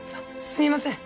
すみません！